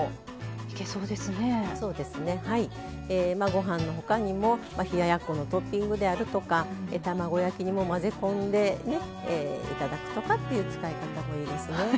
ご飯の他にも冷ややっこのトッピングであるとか卵焼きにも混ぜ込んで頂くとかっていう使い方もいいですね。